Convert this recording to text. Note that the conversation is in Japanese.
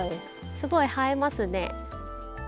すごい映えますね。